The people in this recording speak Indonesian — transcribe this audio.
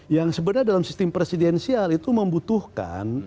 yang sebenarnya dalam sistem presidensial itu membutuhkan